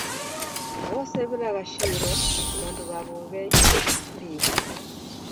W'ose w'ilaghashiro W'andu w'aw'o w'eliw'a.